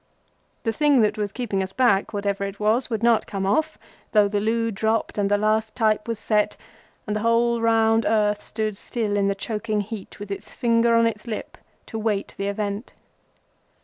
The thing that was keeping us back, whatever it was, would not come off, though the loo dropped and the last type was set, and the whole round earth stood still in the choking heat, with its finger on its lip, to wait the event.